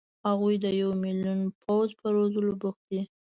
هغوی د یو ملیون پوځ په روزلو بوخت دي.